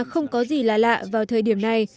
không có gì lạ lạ vào thời điểm này